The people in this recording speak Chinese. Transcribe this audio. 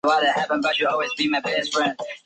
虚拟地址的实体地址。